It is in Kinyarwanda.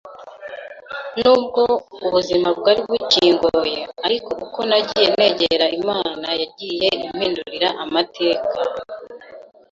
n’ubwo ubuzima bwari bukingoye ariko uko nagiye negera Imana yagiye impindurira amateka,